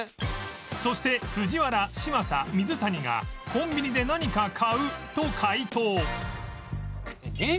そして藤原嶋佐水谷が「コンビニで何か買う」と解答